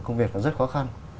công việc nó rất khó khăn